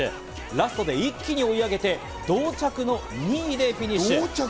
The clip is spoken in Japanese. ラストで一気に追い上げて、同着の２位でフィニッシュ。